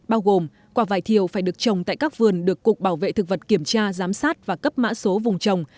bao gồm quả vải thiều phải được trồng tại các vườn được cục bảo vệ thực vật kiểm tra giám sát và cấp mã số vùng trồng